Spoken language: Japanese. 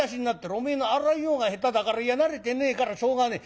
おめえの洗いようが下手だから慣れてねえからしょうがねえ。